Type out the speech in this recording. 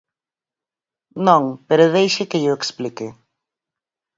Non, pero deixe que llo explique.